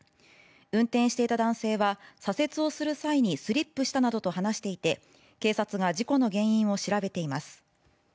運転していた男性は、左折をする際にスリップしたなどと話していて、警察が事故の原因を調べています。